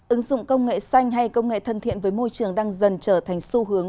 ứng dụng công nghệ xanh hay công nghệ thân thiện với môi trường đang dần trở thành xu hướng